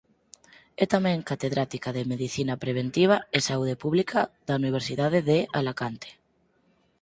É tamén catedrática de Medicina Preventiva e Saúde Pública da Universidade de Alacante.